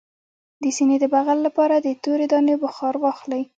د سینې د بغل لپاره د تورې دانې بخار واخلئ